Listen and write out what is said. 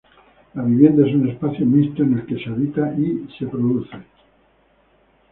La vivienda es un "espacio mixto" en el que se habita y se produce.